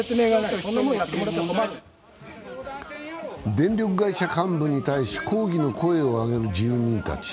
電力会社幹部に対し抗議の声を上げる住民たち。